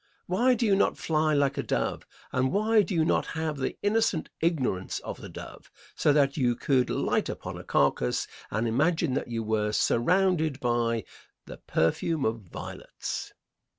Why do you not fly like a dove, and why do you not have the innocent ignorance of the dove, so that you could light upon a carcass and imagine that you were surrounded by the perfume of violets?"